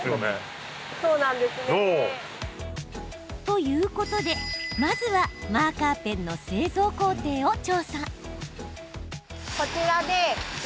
ということで、まずはマーカーペンの製造工程を調査。